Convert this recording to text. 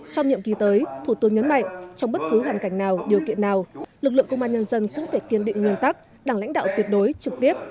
trong nhiệm kỳ tới thủ tướng nhấn mạnh trong bất cứ hoàn cảnh nào điều kiện nào lực lượng công an nhân dân cũng phải kiên định nguyên tắc đảng lãnh đạo tuyệt đối trực tiếp